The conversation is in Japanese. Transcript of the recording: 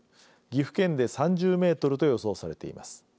岐阜県で３０メートルと予想されています。